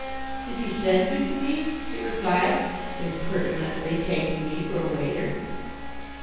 "Did he send you to me?" she replied, impertinently taking me for a waiter.